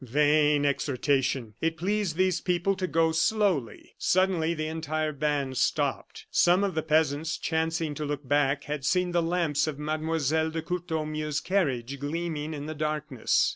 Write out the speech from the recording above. Vain exhortation! It pleased these people to go slowly. Suddenly the entire band stopped. Some of the peasants, chancing to look back, had seen the lamps of Mlle. de Courtornieu's carriage gleaming in the darkness.